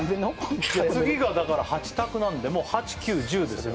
次がだから８択なんでもう８９１０ですよ